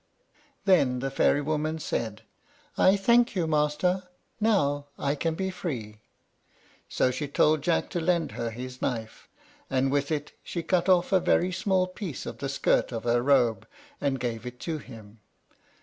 Then the fairy woman said, "I thank you, master. Now I can be free." So she told Jack to lend her his knife, and with it she cut off a very small piece of the skirt of her robe, and gave it to him.